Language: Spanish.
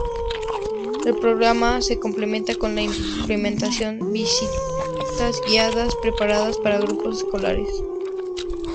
El programa se complementa con la implementación visitas guiadas preparadas para grupos escolares.